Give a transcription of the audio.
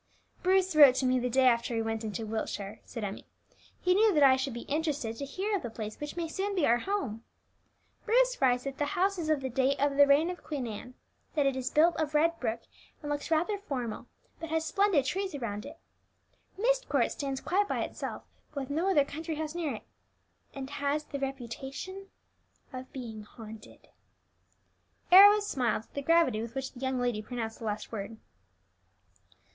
"Bruce wrote to me the day after he went into Wiltshire," said Emmie. "He knew that I should be interested to hear of the place which may soon be our home. Bruce writes that the house is of the date of the reign of Queen Anne; that it is built of red brick, and looks rather formal, but has splendid trees around it. Myst Court stands quite by itself, with no other country house near it, and has the reputation of being haunted." Arrows smiled at the gravity with which the young lady pronounced the last word.